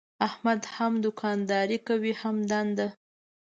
احمد هم دوکانداري کوي هم دنده.